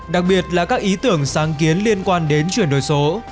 đặc biệt là các ý tưởng sáng kiến liên quan đến chuyển đổi số